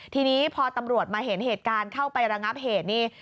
ทีนี้พอตำรวจมาเห็นเหตุการณ์เข้าไประงับเหตุนี่